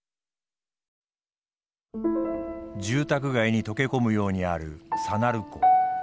住宅街に溶け込むようにある佐鳴湖。